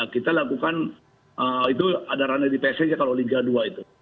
kita lakukan itu ada randa di psrnya kalau liga dua itu